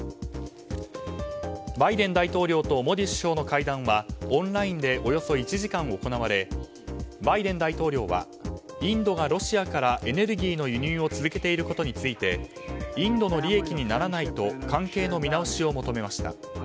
バイデン大統領とモディ首相の会談はオンラインでおよそ１時間行われバイデン大統領はインドがロシアからエネルギーの輸入を続けていることについてインドの利益にならないと関係の見直しを求めました。